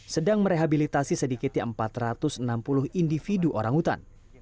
sedang merehabilitasi sedikitnya empat ratus enam puluh individu orang hutan